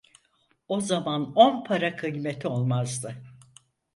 O zaman on para kıymeti olmazdı.